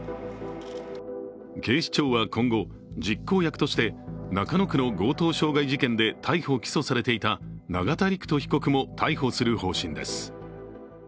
警視庁は今後、実行役として中野区の強盗傷害事件で逮捕・起訴されていた永田陸人被告も逮捕する方針です。